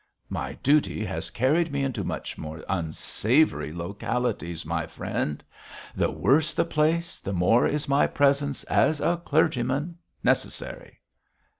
'My duty has carried me into much more unsavoury localities, my friend. The worse the place the more is my presence, as a clergyman, necessary.'